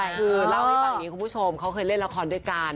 ฮคือฮคือเล่าให้บางงี้คุณผู้ชมเขาเคยเล่นละครด้วยกัน